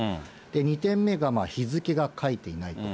２点目が、日付が書いていないと。